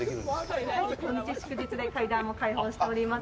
はい、土日祝日で階段も開放しております。